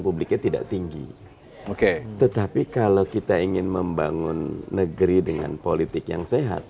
publiknya tidak tinggi oke tetapi kalau kita ingin membangun negeri dengan politik yang sehat